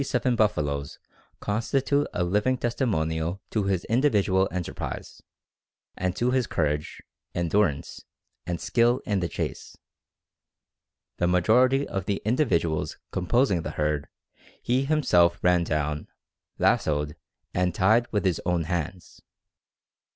_ Mr. Jones's original herd of 57 buffaloes constitute a living testimonial to his individual enterprise, and to his courage, endurance, and skill in the chase. The majority of the individuals composing the herd he himself ran down, lassoed, and tied with his own hands.